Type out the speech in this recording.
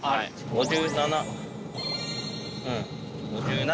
５７。